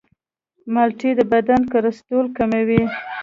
مالټې د بدن کلسترول کموي.